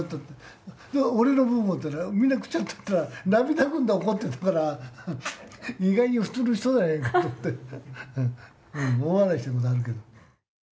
俺の分は？って言ってみな食っちゃったって言ったら涙ぐんで怒ってたから意外に普通の人だなって思って大笑いしたことあるけど。